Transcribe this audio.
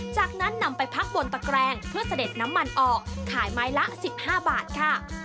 จากนั้นนำไปพักบนตะแกรงเพื่อเสด็จน้ำมันออกขายไม้ละ๑๕บาทค่ะ